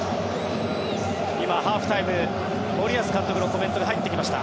今、ハーフタイム森保監督のコメントが入ってきました。